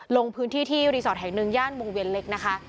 ลงพื้นที่ที่รีสอร์ทแห่งหนึ่งย่านวงเวียนเล็กนะคะ